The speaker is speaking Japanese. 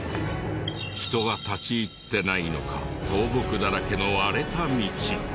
人が立ち入ってないのか倒木だらけの荒れた道。